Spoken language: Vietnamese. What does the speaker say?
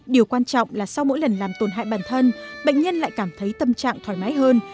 điều quan trọng là sau mỗi lần làm tổn hại bản thân bệnh nhân lại cảm thấy tâm trạng thoải mái hơn